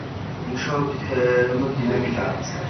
მუშაობის თერმო დინამიკა